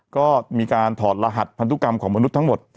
ก็มีการถอดรหัสพันธุกรรมของมนุษย์ทั้งหมด